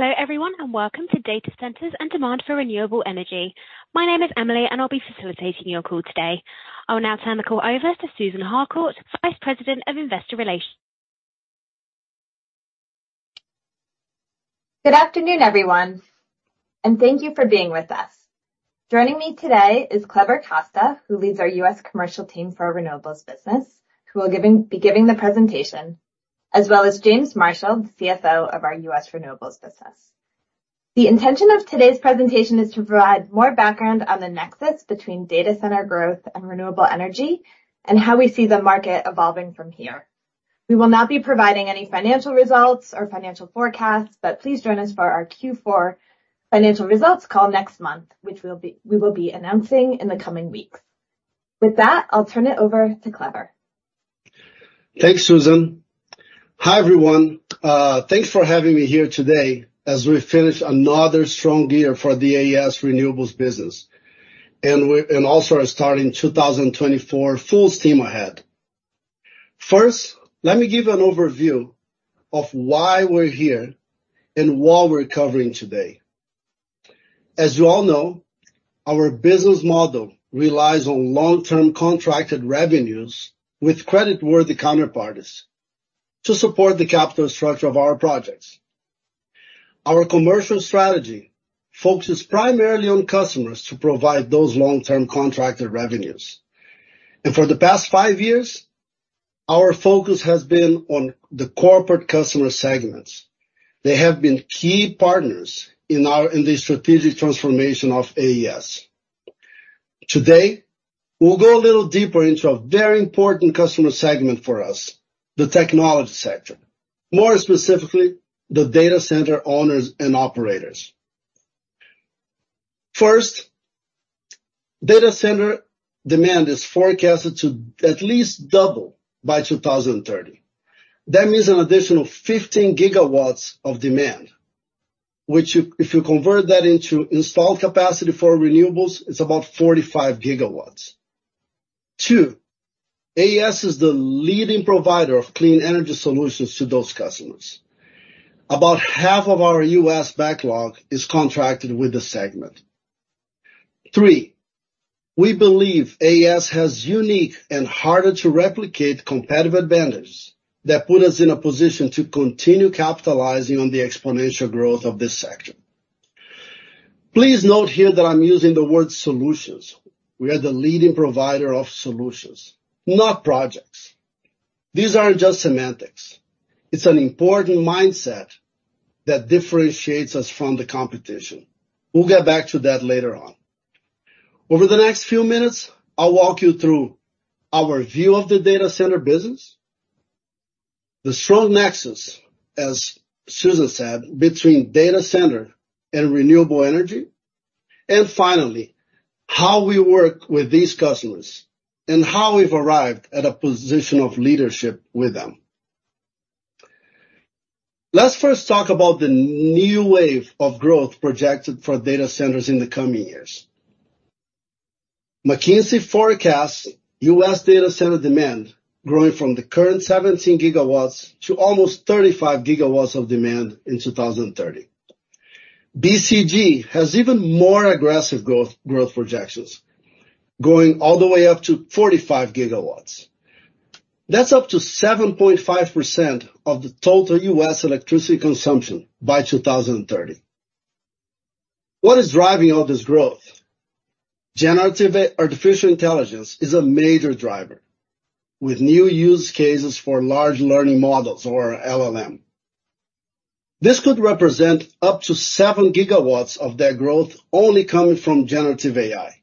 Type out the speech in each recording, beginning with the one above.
Hello, everyone, and welcome to Data Centers and Demand for Renewable Energy. My name is Emily, and I'll be facilitating your call today. I will now turn the call over to Susan Harcourt, Vice President of Investor Relations. Good afternoon, everyone, and thank you for being with us. Joining me today is Kleber Costa, who leads our U.S. commercial team for our renewables business, who will be giving the presentation, as well as James Marshall, the CFO of our U.S. renewables business. The intention of today's presentation is to provide more background on the nexus between data center growth and renewable energy, and how we see the market evolving from here. We will not be providing any financial results or financial forecasts, but please join us for our Q4 financial results call next month, which we will be announcing in the coming weeks. With that, I'll turn it over to Kleber. Thanks, Susan. Hi, everyone. Thanks for having me here today as we finish another strong year for the AES renewables business, and also are starting 2024, full steam ahead. First, let me give an overview of why we're here and what we're covering today. As you all know, our business model relies on long-term contracted revenues with credit-worthy counterparties to support the capital structure of our projects. Our commercial strategy focuses primarily on customers to provide those long-term contracted revenues, and for the past five years, our focus has been on the corporate customer segments. They have been key partners in our, in the strategic transformation of AES. Today, we'll go a little deeper into a very important customer segment for us, the technology sector. More specifically, the data center owners and operators. First, data center demand is forecasted to at least double by 2030. That means an additional 15 GW of demand, which if you convert that into installed capacity for renewables, it's about 45 GW. Two, AES is the leading provider of clean energy solutions to those customers. About half of our U.S. backlog is contracted with the segment. Three, we believe AES has unique and harder to replicate competitive advantages that put us in a position to continue capitalizing on the exponential growth of this sector. Please note here that I'm using the word solutions. We are the leading provider of solutions, not projects. These aren't just semantics, it's an important mindset that differentiates us from the competition. We'll get back to that later on. Over the next few minutes, I'll walk you through our view of the data center business, the strong nexus, as Susan said, between data center and renewable energy, and finally, how we work with these customers and how we've arrived at a position of leadership with them. Let's first talk about the new wave of growth projected for data centers in the coming years. McKinsey forecasts U.S. data center demand growing from the current 17 GW to almost 35 GW of demand in 2030. BCG has even more aggressive growth, growth projections, going all the way up to 45 GW. That's up to 7.5% of the total U.S. electricity consumption by 2030. What is driving all this growth? Generative artificial intelligence is a major driver, with new use cases for large language models or LLM. This could represent up to 7 GW of that growth only coming from generative AI.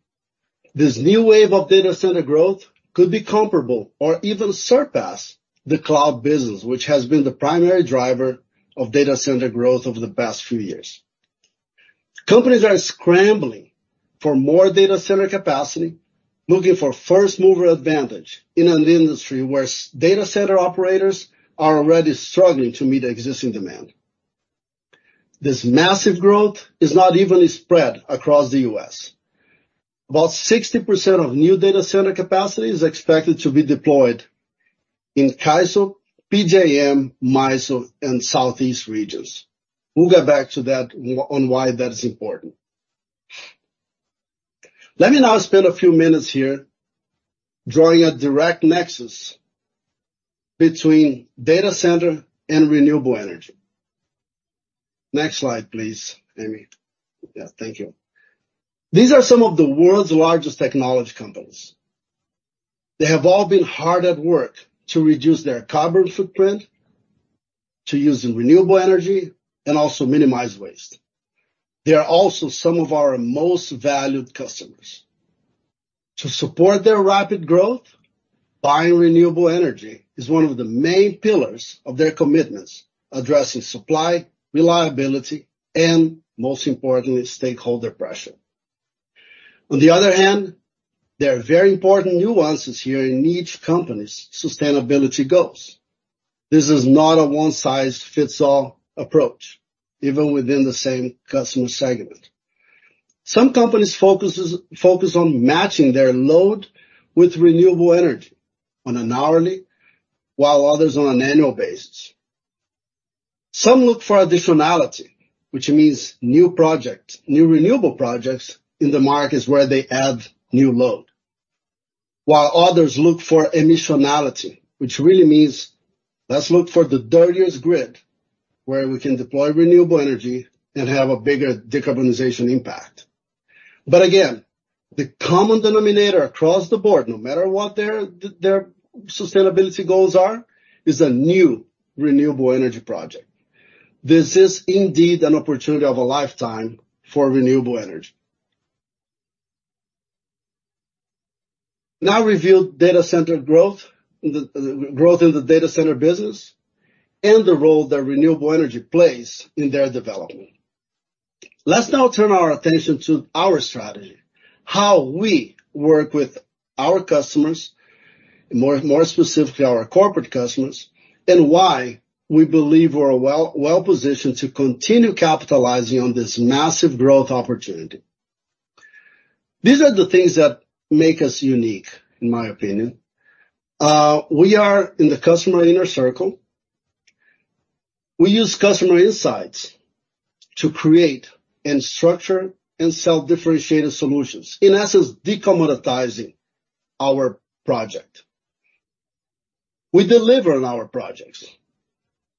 This new wave of data center growth could be comparable or even surpass the cloud business, which has been the primary driver of data center growth over the past few years. Companies are scrambling for more data center capacity, looking for first-mover advantage in an industry where data center operators are already struggling to meet existing demand. This massive growth is not evenly spread across the U.S. About 60% of new data center capacity is expected to be deployed in CAISO, PJM, MISO, and Southeast regions. We'll get back to that on why that is important. Let me now spend a few minutes here drawing a direct nexus between data center and renewable energy. Next slide, please, Amy. Yeah, thank you. These are some of the world's largest technology companies. They have all been hard at work to reduce their carbon footprint, to using renewable energy, and also minimize waste. They are also some of our most valued customers. To support their rapid growth, buying renewable energy is one of the main pillars of their commitments, addressing supply, reliability, and most importantly, stakeholder pressure. On the other hand, there are very important nuances here in each company's sustainability goals. This is not a one-size-fits-all approach, even within the same customer segment. Some companies focus on matching their load with renewable energy on an hourly basis, while others on an annual basis. Some look for Additionality, which means new projects, new renewable projects in the markets where they add new load, while others look for emissionality, which really means let's look for the dirtiest grid, where we can deploy renewable energy and have a bigger decarbonization impact. But again, the common denominator across the board, no matter what their sustainability goals are, is a new renewable energy project. This is indeed an opportunity of a lifetime for renewable energy. Now we've reviewed data center growth, the growth in the data center business, and the role that renewable energy plays in their development. Let's now turn our attention to our strategy, how we work with our customers, more specifically, our corporate customers, and why we believe we're well-positioned to continue capitalizing on this massive growth opportunity. These are the things that make us unique, in my opinion. We are in the customer inner circle. We use customer insights to create and structure and sell differentiated solutions, in essence, de-commoditizing our project. We deliver on our projects.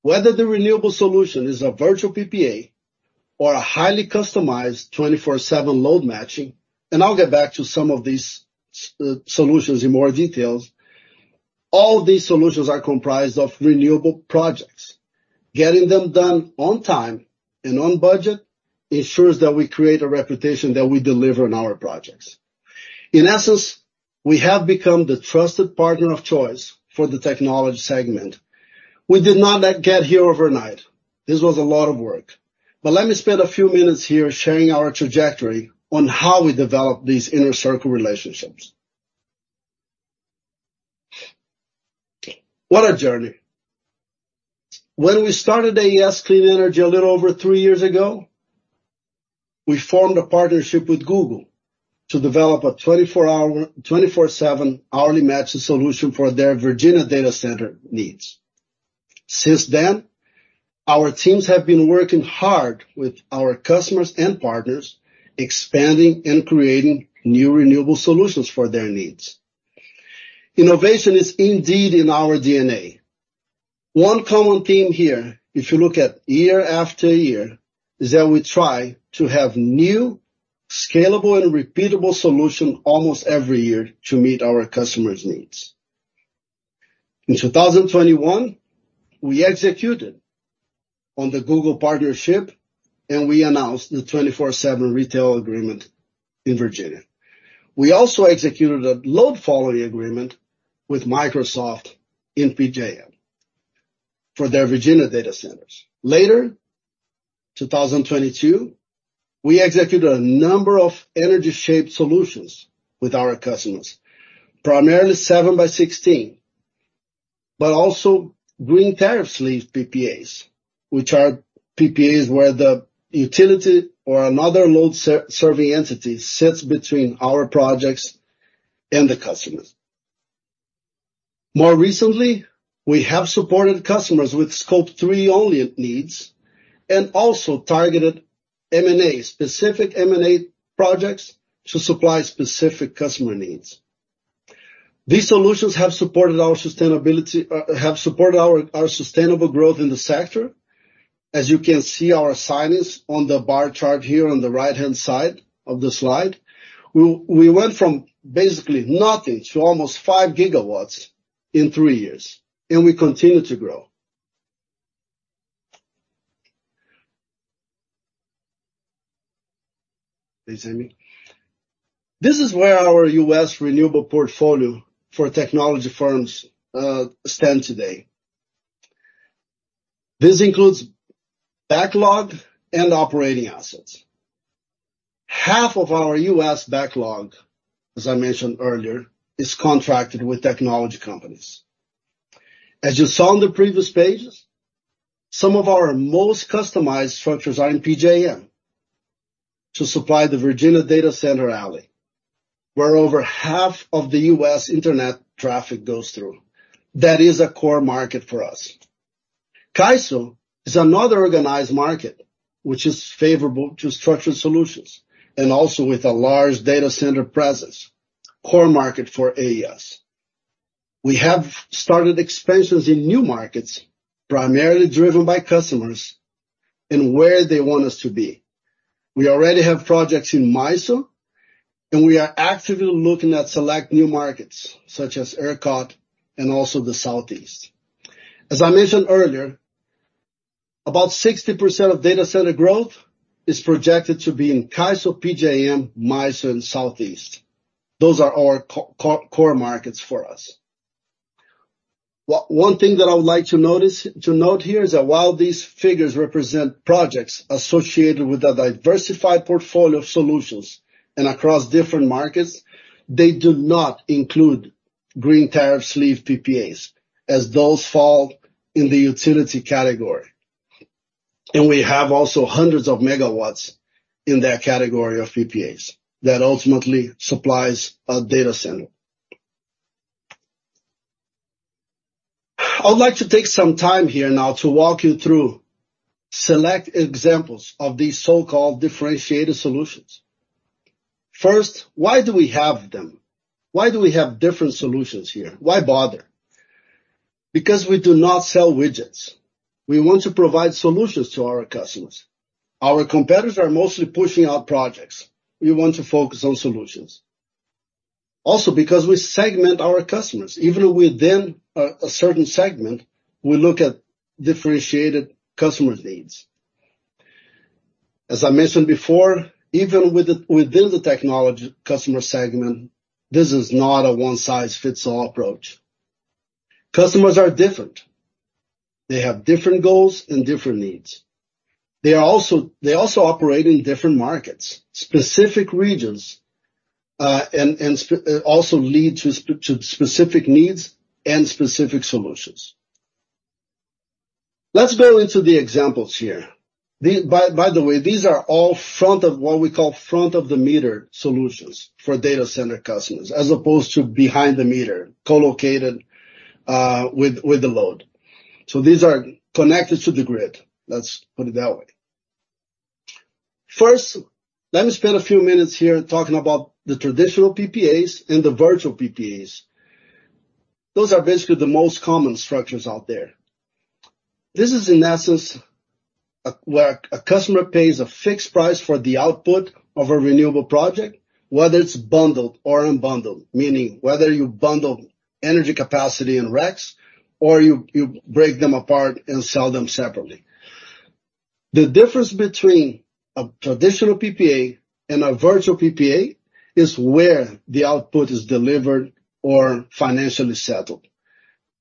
Whether the renewable solution is a virtual PPA or a highly customized 24/7 load matching, and I'll get back to some of these solutions in more details, all these solutions are comprised of renewable projects. Getting them done on time and on budget ensures that we create a reputation that we deliver on our projects. In essence, we have become the trusted partner of choice for the technology segment. We did not get here overnight. This was a lot of work. But let me spend a few minutes here sharing our trajectory on how we developed these inner circle relationships. What a journey! When we started AES Clean Energy a little over three years ago, we formed a partnership with Google to develop a 24-hour, 24/7 hourly matching solution for their Virginia data center needs. Since then, our teams have been working hard with our customers and partners, expanding and creating new renewable solutions for their needs. Innovation is indeed in our DNA. One common theme here, if you look at year after year, is that we try to have new, scalable and repeatable solution almost every year to meet our customers' needs. In 2021, we executed on the Google partnership, and we announced the 24/7 retail agreement in Virginia. We also executed a load following agreement with Microsoft in PJM for their Virginia data centers. Later, 2022, we executed a number of energy shaped solutions with our customers, primarily 7x16, but also green tariff sleeve PPAs, which are PPAs, where the utility or another load serving entity sits between our projects and the customers. More recently, we have supported customers with Scope 3-only needs and also targeted M&A, specific M&A projects to supply specific customer needs. These solutions have supported our sustainability, have supported our sustainable growth in the sector. As you can see, our signings on the bar chart here on the right-hand side of the slide, we went from basically nothing to almost 5 GW in three years, and we continue to grow. Please, Amy This is where our U.S. renewable portfolio for technology firms stand today. This includes backlog and operating assets. Half of our U.S. backlog, as I mentioned earlier, is contracted with technology companies. As you saw on the previous pages, some of our most customized structures are in PJM to supply the Virginia Data Center Alley, where over half of the U.S. internet traffic goes through. That is a core market for us. CAISO is another organized market which is favorable to structured solutions and also with a large data center presence, core market for AES. We have started expansions in new markets, primarily driven by customers and where they want us to be. We already have projects in MISO, and we are actively looking at select new markets such as ERCOT and also the Southeast. As I mentioned earlier, about 60% of data center growth is projected to be in CAISO, PJM, MISO, and Southeast. Those are our core markets for us. One thing that I would like to notice, to note here is that while these figures represent projects associated with a diversified portfolio of solutions... and across different markets, they do not include green tariff sleeve PPAs, as those fall in the utility category. And we have also hundreds of megawatts in that category of PPAs that ultimately supplies our data center. I would like to take some time here now to walk you through select examples of these so-called differentiated solutions. First, why do we have them? Why do we have different solutions here? Why bother? Because we do not sell widgets. We want to provide solutions to our customers. Our competitors are mostly pushing out projects. We want to focus on solutions. Also, because we segment our customers, even within a certain segment, we look at differentiated customer needs. As I mentioned before, even within the technology customer segment, this is not a one-size-fits-all approach. Customers are different. They have different goals and different needs. They also operate in different markets, specific regions, and also lead to specific needs and specific solutions. Let's go into the examples here. By the way, these are all front-of-the-meter solutions for data center customers, as opposed to behind-the-meter, co-located with the load. So these are connected to the grid. Let's put it that way. First, let me spend a few minutes here talking about the traditional PPAs and the virtual PPAs. Those are basically the most common structures out there. This is, in essence, where a customer pays a fixed price for the output of a renewable project, whether it's bundled or unbundled, meaning whether you bundle energy capacity in RECs, or you break them apart and sell them separately. The difference between a traditional PPA and a virtual PPA is where the output is delivered or financially settled.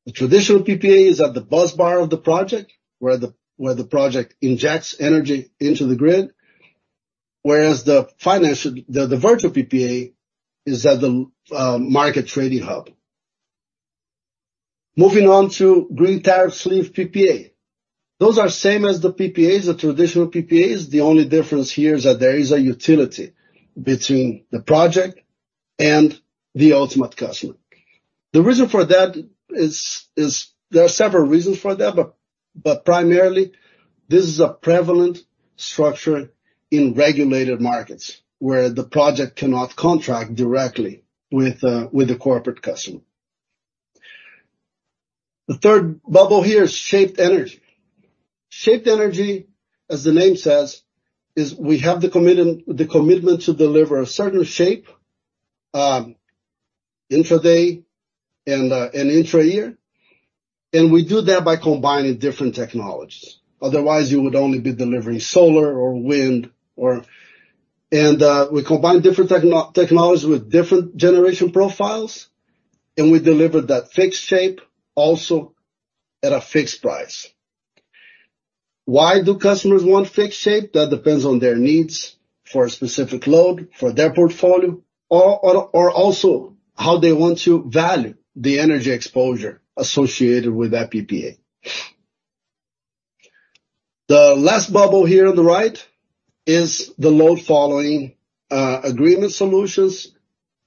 The traditional PPA is at the busbar of the project, where the project injects energy into the grid, whereas the virtual PPA is at the market trading hub. Moving on to green tariff sleeve PPA. Those are same as the PPAs, the traditional PPAs. The only difference here is that there is a utility between the project and the ultimate customer. The reason for that is there are several reasons for that, but primarily, this is a prevalent structure in regulated markets, where the project cannot contract directly with the corporate customer. The third bubble here is shaped energy. Shaped energy, as the name says, is we have the commitment, the commitment to deliver a certain shape, intra-day and intra-year, and we do that by combining different technologies. Otherwise, you would only be delivering solar or wind or, we combine different technologies with different generation profiles, and we deliver that fixed shape also at a fixed price. Why do customers want fixed shape? That depends on their needs for a specific load, for their portfolio, or, or, or also how they want to value the energy exposure associated with that PPA. The last bubble here on the right is the load following agreement solutions,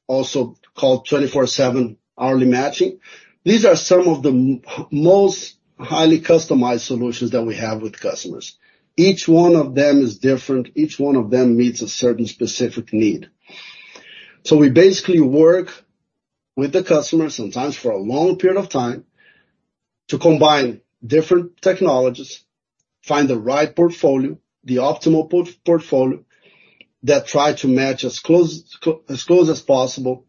also called 24/7 hourly matching. These are some of the most highly customized solutions that we have with customers. Each one of them is different. Each one of them meets a certain specific need. So we basically work with the customer, sometimes for a long period of time, to combine different technologies, find the right portfolio, the optimal portfolio, that try to match as close as close as possible,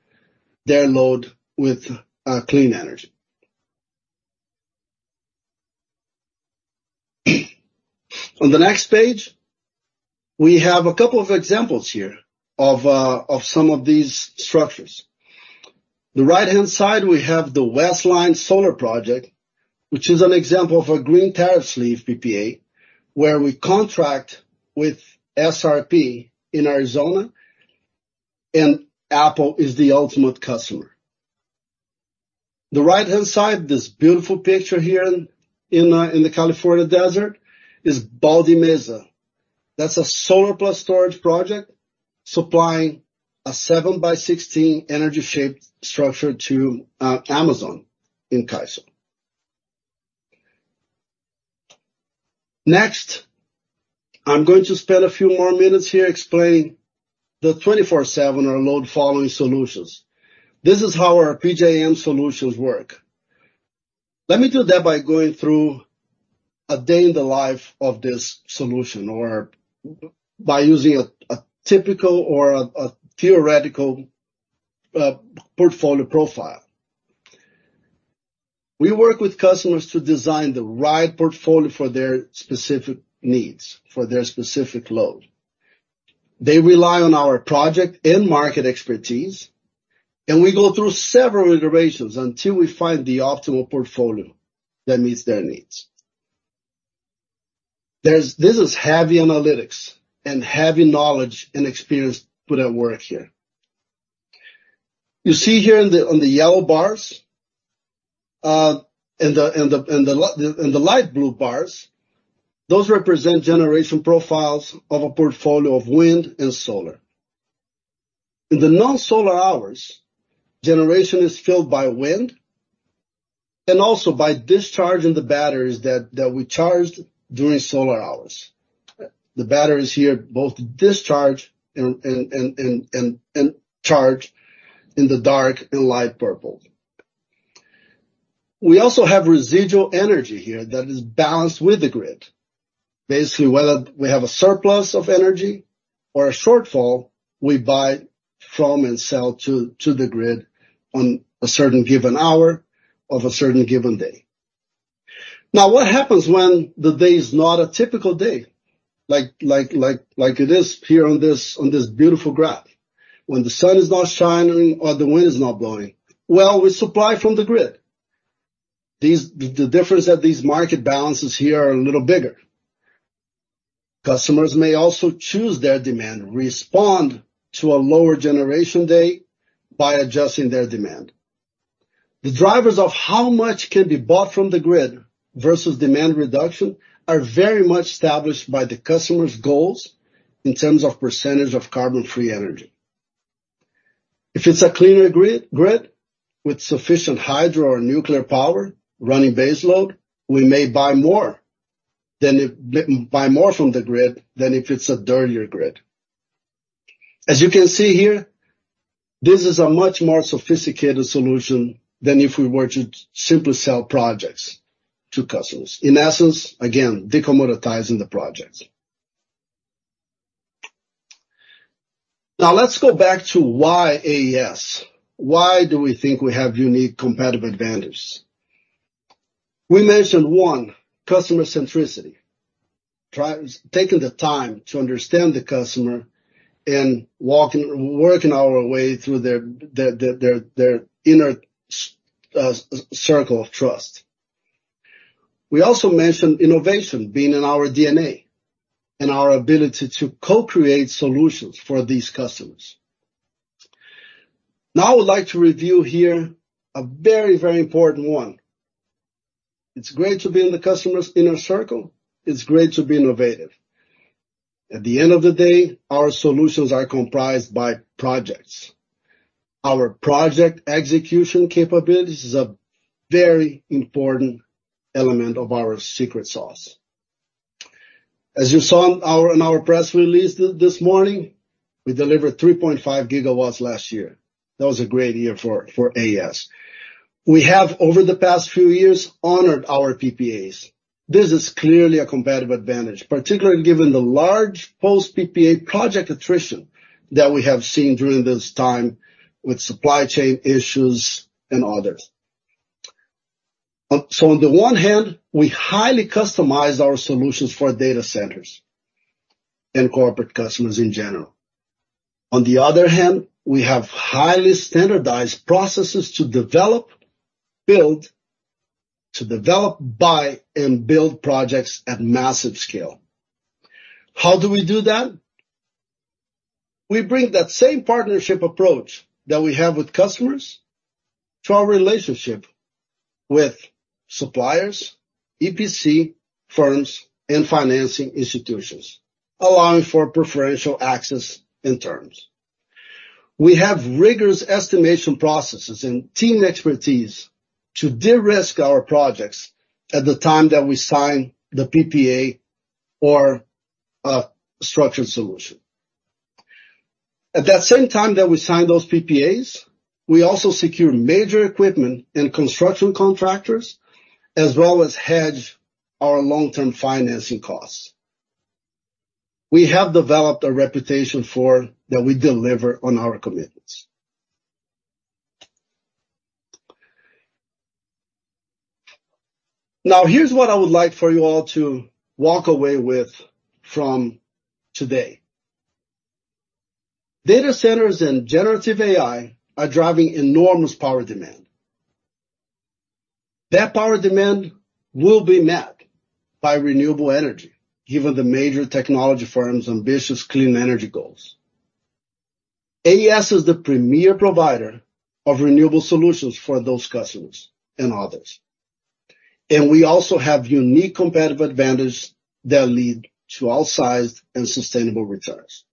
their load with clean energy. On the next page, we have a couple of examples here of some of these structures. The right-hand side, we have the Westline Solar Project, which is an example of a Green Tariff Sleeve PPA, where we contract with SRP in Arizona, and Apple is the ultimate customer. The right-hand side, this beautiful picture here in the California desert, is Baldy Mesa. That's a solar plus storage project supplying a 7x16 energy shaped structure to Amazon in CAISO. Next, I'm going to spend a few more minutes here explaining the 24/7 or load following solutions. This is how our PJM solutions work. Let me do that by going through a day in the life of this solution or by using a typical or a theoretical portfolio profile. We work with customers to design the right portfolio for their specific needs, for their specific load. They rely on our project and market expertise, and we go through several iterations until we find the optimal portfolio that meets their needs. There is this: heavy analytics and heavy knowledge and experience put at work here. You see here on the yellow bars and the light blue bars, those represent generation profiles of a portfolio of wind and solar. In the non-solar hours, generation is filled by wind and also by discharging the batteries that we charged during solar hours. The batteries here both discharge and charge in the dark and light purple. We also have residual energy here that is balanced with the grid. Basically, whether we have a surplus of energy or a shortfall, we buy from and sell to the grid on a certain given hour of a certain given day. Now, what happens when the day is not a typical day? Like, it is here on this beautiful graph. When the sun is not shining or the wind is not blowing, well, we supply from the grid. These, the difference that these market balances here are a little bigger. Customers may also choose their demand, respond to a lower generation day by adjusting their demand. The drivers of how much can be bought from the grid versus demand reduction are very much established by the customer's goals in terms of percentage of carbon-free energy. If it's a cleaner grid with sufficient hydro or nuclear power running base load, we may buy more from the grid than if it's a dirtier grid. As you can see here, this is a much more sophisticated solution than if we were to simply sell projects to customers. In essence, again, decommoditizing the project. Now, let's go back to why AES? Why do we think we have unique competitive advantage? We mentioned, one, customer centricity. Taking the time to understand the customer and working our way through their inner circle of trust. We also mentioned innovation being in our DNA and our ability to co-create solutions for these customers. Now, I would like to review here a very, very important one. It's great to be in the customer's inner circle. It's great to be innovative. At the end of the day, our solutions are comprised by projects. Our project execution capabilities is a very important element of our secret sauce. As you saw in our press release this morning, we delivered 3.5 GW last year. That was a great year for AES. We have, over the past few years, honored our PPAs. This is clearly a competitive advantage, particularly given the large post-PPA project attrition that we have seen during this time with supply chain issues and others. So on the one hand, we highly customize our solutions for data centers and corporate customers in general. On the other hand, we have highly standardized processes to develop, build, to develop, buy, and build projects at massive scale. How do we do that? We bring that same partnership approach that we have with customers to our relationship with suppliers, EPC firms, and financing institutions, allowing for preferential access and terms. We have rigorous estimation processes and team expertise to de-risk our projects at the time that we sign the PPA or structured solution. At that same time that we sign those PPAs, we also secure major equipment and construction contractors, as well as hedge our long-term financing costs. We have developed a reputation for that we deliver on our commitments. Now, here's what I would like for you all to walk away with from today. Data centers and generative AI are driving enormous power demand. That power demand will be met by renewable energy, given the major technology firms' ambitious clean energy goals. AES is the premier provider of renewable solutions for those customers and others, and we also have unique competitive advantage that lead to outsized and sustainable returns.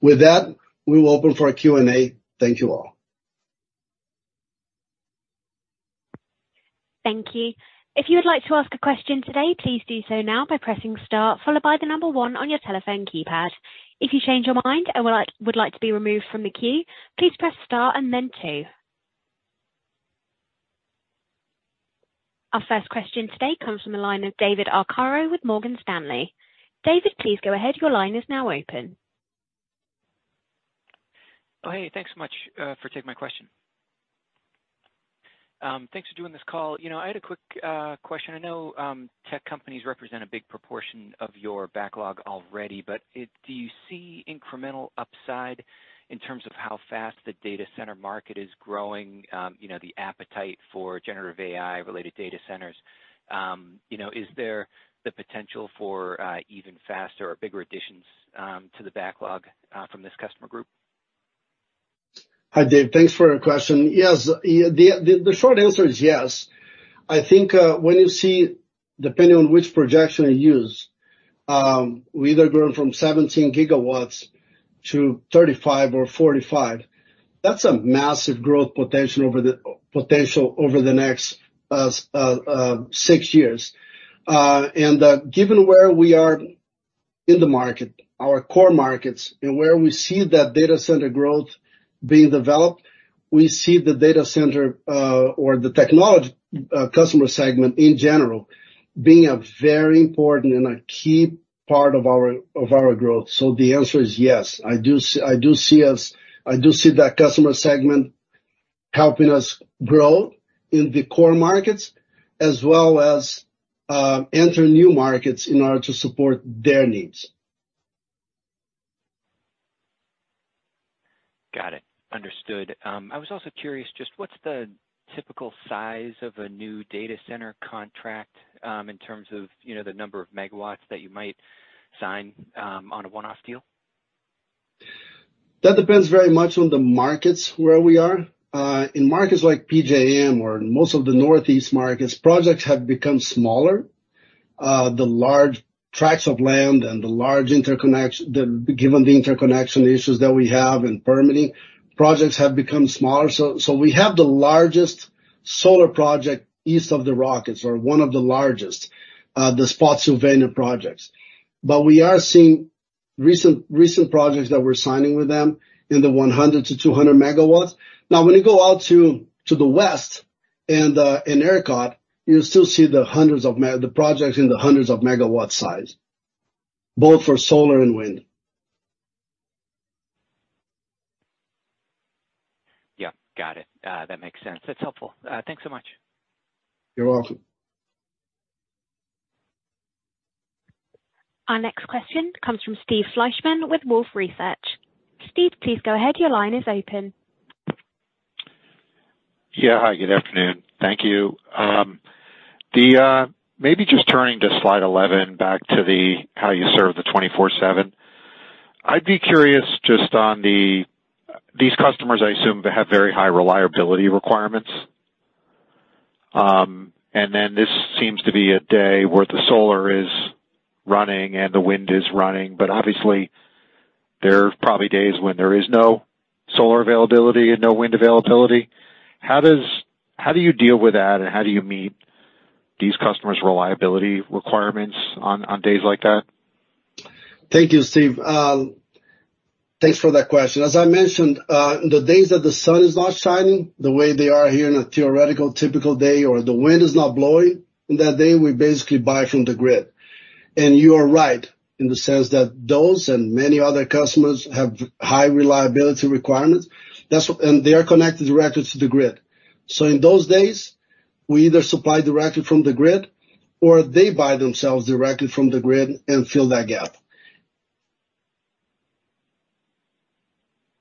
With that, we will open for a Q&A. Thank you, all. Thank you. If you would like to ask a question today, please do so now by pressing star followed by the number one on your telephone keypad. If you change your mind and would like to be removed from the queue, please press star and then two. Our first question today comes from the line of David Arcaro with Morgan Stanley. David, please go ahead. Your line is now open. Oh, hey, thanks so much for taking my question. Thanks for doing this call. You know, I had a quick question. I know tech companies represent a big proportion of your backlog already, but do you see incremental upside in terms of how fast the data center market is growing? You know, the appetite for generative AI-related data centers. You know, is there the potential for even faster or bigger additions to the backlog from this customer group? Hi, Dave. Thanks for your question. Yes, yeah, the short answer is yes. I think, when you see, depending on which projection you use, we either grown from 17 GW to 35 or 45. That's a massive growth potential over the next six years. And, given where we are in the market, our core markets, and where we see that data center growth being developed, we see the data center, or the technology, customer segment in general, being a very important and a key part of our, of our growth. So the answer is yes, I do see that customer segment helping us grow in the core markets, as well as, enter new markets in order to support their needs. Got it. Understood. I was also curious, just what's the typical size of a new data center contract, in terms of, you know, the number of megawatts that you might sign, on a one-off deal? That depends very much on the markets where we are. In markets like PJM or in most of the Northeast markets, projects have become smaller. The large tracts of land and the large interconnection issues that we have in permitting, projects have become smaller. So we have the largest solar project east of the Rockies, or one of the largest, the Spotsylvania projects. But we are seeing recent projects that we're signing with them in the 100-200 MW. Now, when you go out to the west and in ERCOT, you still see the projects in the hundreds of megawatts size, both for solar and wind. Yeah. Got it. That makes sense. That's helpful. Thanks so much. You're welcome. Our next question comes from Steve Fleishman with Wolfe Research. Steve, please go ahead. Your line is open. Yeah. Hi, good afternoon. Thank you. Maybe just turning to slide 11, back to the how you serve the 24/7. I'd be curious just on these customers, I assume, they have very high reliability requirements. And then this seems to be a day where the solar is running and the wind is running, but obviously, there are probably days when there is no solar availability and no wind availability. How does, how do you deal with that, and how do you meet these customers' reliability requirements on days like that? Thank you, Steve. Thanks for that question. As I mentioned, the days that the sun is not shining, the way they are here in a theoretical typical day, or the wind is not blowing, in that day, we basically buy from the grid. And you are right, in the sense that those and many other customers have high reliability requirements. That's and they are connected directly to the grid. So in those days, we either supply directly from the grid or they buy themselves directly from the grid and fill that gap.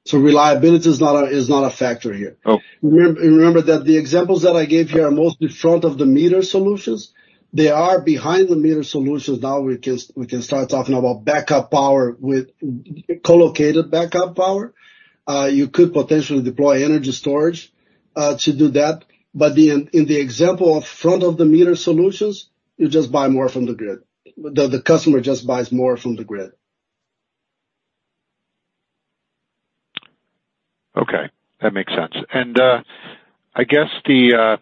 So reliability is not a factor here. Oh. Remember that the examples that I gave here are mostly front-of-the-meter solutions. They are behind-the-meter solutions; now we can start talking about backup power with co-located backup power. You could potentially deploy energy storage to do that, but in the example of front-of-the-meter solutions, you just buy more from the grid. The customer just buys more from the grid. Okay, that makes sense. And, I guess the,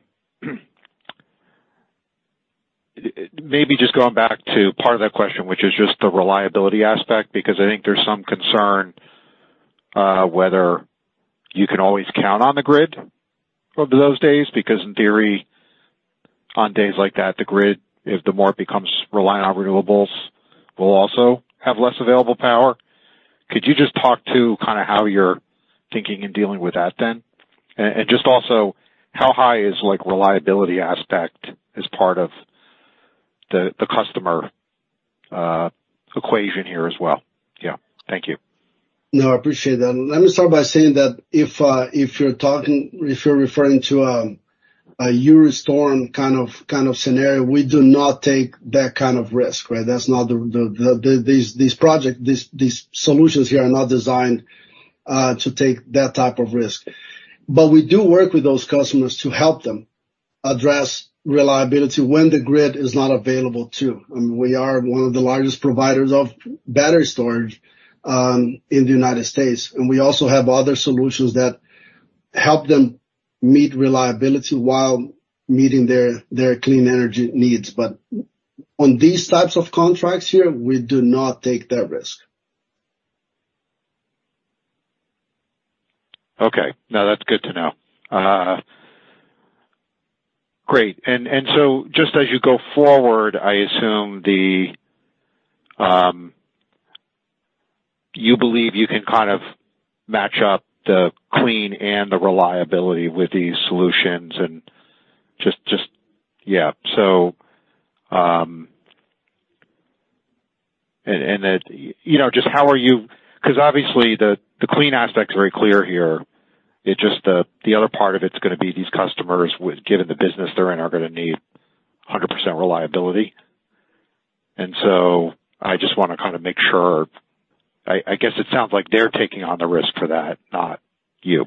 maybe just going back to part of that question, which is just the reliability aspect, because I think there's some concern, whether you can always count on the grid for those days, because in theory, on days like that, the grid, if the more it becomes reliant on renewables, will also have less available power. Could you just talk to kind of how you're thinking and dealing with that then? And, and just also, how high is, like, reliability aspect as part of the, the customer, equation here as well? Yeah. Thank you. No, I appreciate that. Let me start by saying that if you're referring to a euro storm kind of scenario, we do not take that kind of risk, right? That's not the these this project these solutions here are not designed to take that type of risk. But we do work with those customers to help them address reliability when the grid is not available, too. I mean, we are one of the largest providers of battery storage in the United States, and we also have other solutions that help them meet reliability while meeting their clean energy needs. But on these types of contracts here, we do not take that risk. Okay. No, that's good to know. Great. And so just as you go forward, I assume you believe you can kind of match up the clean and the reliability with these solutions and just, yeah, so, and it, you know, just how are you, 'cause obviously the clean aspect is very clear here. It's just the other part of it's gonna be these customers with, given the business they're in, are gonna need 100% reliability. And so I just wanna kind of make sure. I guess it sounds like they're taking on the risk for that, not you.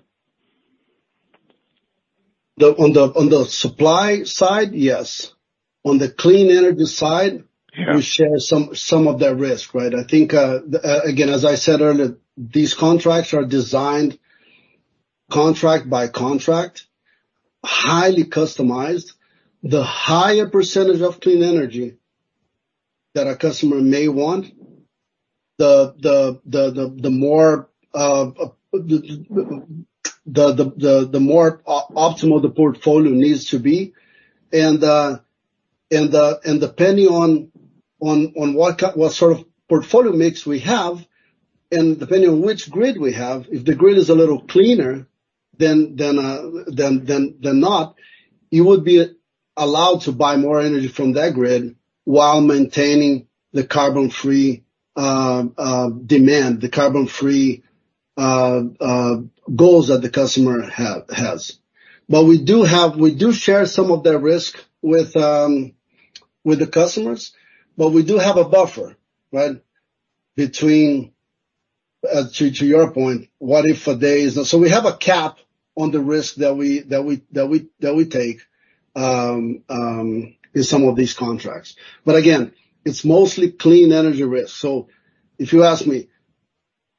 On the supply side, yes. On the clean energy side- Yeah. We share some of that risk, right? I think, again, as I said earlier, these contracts are designed contract by contract, highly customized. The higher percentage of clean energy that a customer may want, the more optimal the portfolio needs to be. And depending on what sort of portfolio mix we have, and depending on which grid we have, if the grid is a little cleaner, then you would be allowed to buy more energy from that grid while maintaining the carbon-free demand, the carbon-free goals that the customer has. But we do share some of that risk with the customers, but we do have a buffer, right? Between, to your point, what if a day is, so we have a cap on the risk that we take, in some of these contracts. But again, it's mostly clean energy risk. So if you ask me,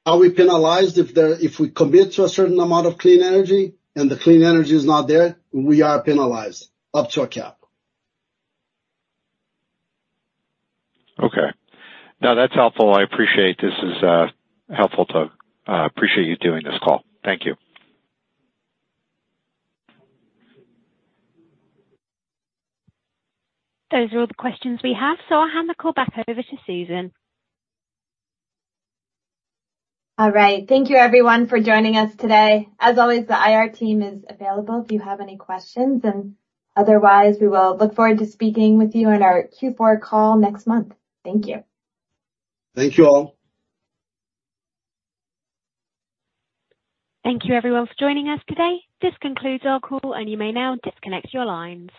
are we penalized if we commit to a certain amount of clean energy and the clean energy is not there? We are penalized up to a cap. Okay. No, that's helpful. I appreciate this is helpful to... I appreciate you doing this call. Thank you. Those are all the questions we have, so I'll hand the call back over to Susan. All right. Thank you everyone for joining us today. As always, the IR team is available if you have any questions, and otherwise, we will look forward to speaking with you on our Q4 call next month. Thank you. Thank you all. Thank you everyone for joining us today. This concludes our call, and you may now disconnect your lines.